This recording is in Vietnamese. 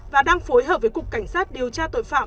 và đang phối hợp với cục cảnh sát điều tra tội phạm